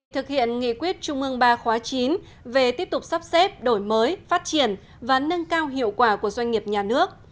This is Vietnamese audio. thực hiện nghị quyết trung ương ba khóa chín về tiếp tục sắp xếp đổi mới phát triển và nâng cao hiệu quả của doanh nghiệp nhà nước